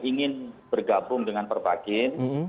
ingin bergabung dengan perbakin